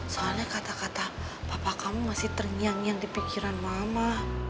soalnya kata kata papa kamu masih terngiang ngiang di pikiran mama